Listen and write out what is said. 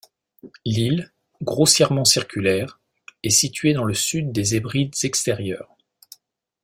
L'île, grossièrement circulaire, est située dans le Sud des Hébrides extérieures.